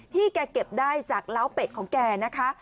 แกเก็บได้จากเล้าเป็ดของแกนะคะ